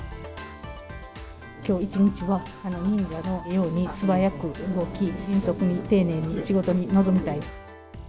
きょう一日は、忍者のように素早く動き、迅速に丁寧に仕事に臨みたい。